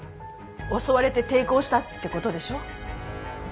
襲われて抵抗したってことでしょ。